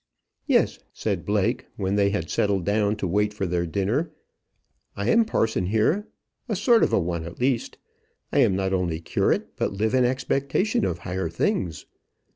"Yes," said Blake, when they had settled down to wait for their dinner, "I am parson here, a sort of a one at least. I am not only curate, but live in expectation of higher things.